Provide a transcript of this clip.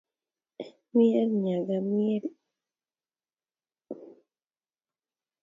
Miel nyaka mielni